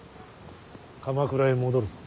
鎌倉へ戻るぞ。